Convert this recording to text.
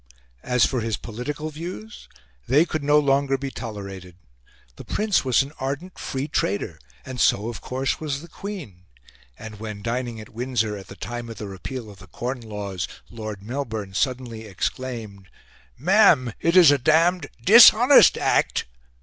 As for his political views, they could no longer be tolerated. The Prince was an ardent Free Trader, and so, of course, was the Queen; and when, dining at Windsor at the time of the repeal of the Corn Laws, Lord Melbourne suddenly exclaimed, "Ma'am, it's a damned dishonest act!"